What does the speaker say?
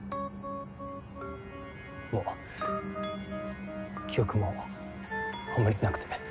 もう記憶もあんまりなくて。